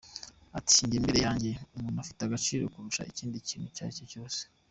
Ati: “ Njye imbere yanjye umuntu afite agaciro kurusha ikindi kintu icyari cyo cyose.